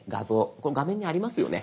これ画面にありますよね？